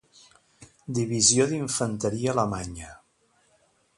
Divisió d'infanteria a Alemanya.